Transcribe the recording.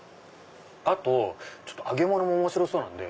あと揚げ物も面白そうなんで。